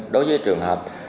đối với trường hợp